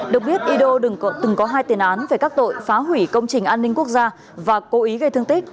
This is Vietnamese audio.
được biết ido từng có hai tiền án về các tội phá hủy công trình an ninh quốc gia và cố ý gây thương tích